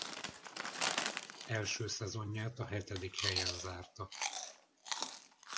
Első szezonját a hetedik helyen zárta.